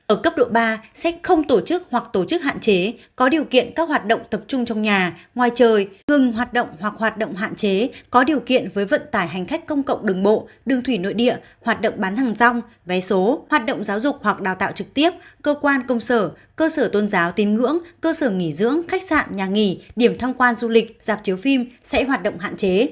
ở cấp độ ba sách không tổ chức hoặc tổ chức hạn chế có điều kiện các hoạt động tập trung trong nhà ngoài trời ngừng hoạt động hoặc hoạt động hạn chế có điều kiện với vận tải hành khách công cộng đường bộ đường thủy nội địa hoạt động bán rong vé số hoạt động giáo dục hoặc đào tạo trực tiếp cơ quan công sở cơ sở tôn giáo tin ngưỡng cơ sở nghỉ dưỡng khách sạn nhà nghỉ điểm thăm quan du lịch giạc chiếu phim sẽ hoạt động hạn chế